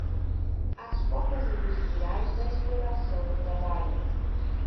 às formas industriais da exploração do trabalho